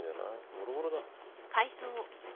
ボロボロだ。